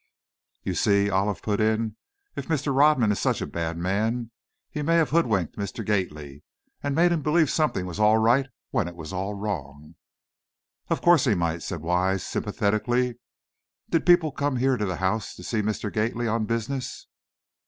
"You see," Olive put in, "if Mr. Rodman is such a bad man, he may have hoodwinked Mr. Gately and made him believe something was all right when it was all wrong." "Of course he might," said Wise, sympathetically. "Did people come here to the house to see Mr. Gately on business?"